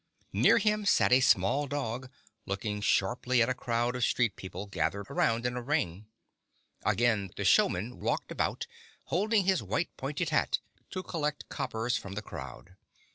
Near him sat a small dog, looking sharply at a crowd of street people gathered around in a ring. Again the showman walked about, holding his white, pointed hat to collect coppers from the crowd.